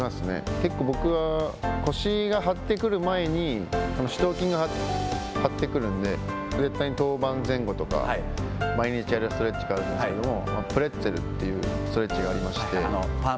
結構僕は腰が張ってくる前に、四頭筋が張ってくるんで、絶対に登板前後とかは、毎日やるストレッチがあるんですけど、プレッツェルっていうストレッチがありまして。